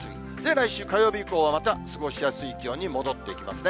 来週火曜日以降はまた過ごしやすい気温に戻っていきますね。